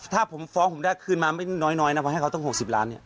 ถ้าฟ้องผมได้คืนมาไม่น้อยนะว่าให้เขาต้อง๖๐ล้าน